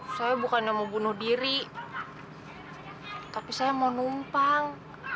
pak saya bukan yang mau bunuh diri tapi saya mau numpang